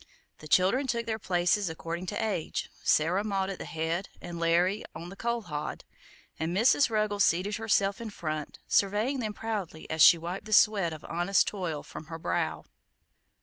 The children took their places according to age, Sarah Maud at the head and Larry on the coal hod, and Mrs. Ruggles seated herself in front, surveying them proudly as she wiped the sweat of honest toil from her brow.